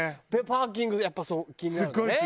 パーキングやっぱそう気になるんだね。